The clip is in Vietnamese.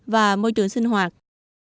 và môi trường sinh hoạt